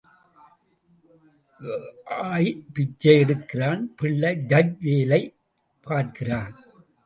ஆய் பிச்சை எடுக்கிறான் பிள்ளை ஜட்ஜ் வேலை பார்க்கிறான்.